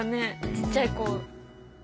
ちっちゃい子。